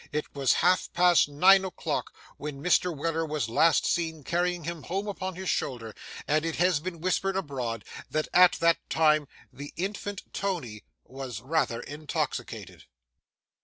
It was half past nine o'clock when Mr. Weller was last seen carrying him home upon his shoulder, and it has been whispered abroad that at that time the infant Tony was rather intoxicated.